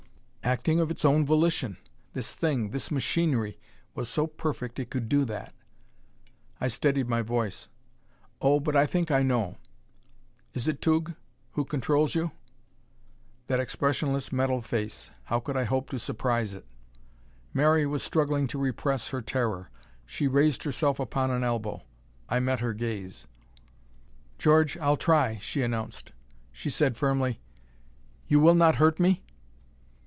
Acting of its own volition! This thing this machinery was so perfect it could do that! I steadied my voice. "Oh, but I think I know. Is it Tugh who controls you?" That expressionless metal face! How could I hope to surprise it? Mary was struggling to repress her terror. She raised herself upon an elbow. I met her gaze. "George, I'll try," she announced. She said firmly: "You will not hurt me?"